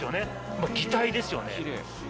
まあ擬態ですよね。